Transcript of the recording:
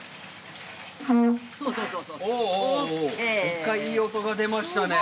一回いい音が出ましたね。